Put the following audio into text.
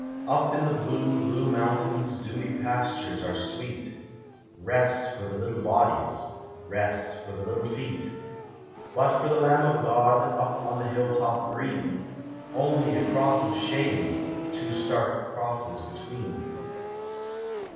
Up in the blue, blue mountains Dewy pastures are sweet, Kest for the little bodies, Kest for the little feet, 122 POEMS OF HOME. But for the Lamb of God, Up on the hill top green, Only a Cross of shame Two stark crosses between.